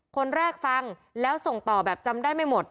คนแรกฟังแล้วส่งต่อแบบจำได้ไม่หมด